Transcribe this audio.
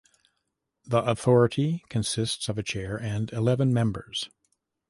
The Authority consists of a Chair and eleven Members.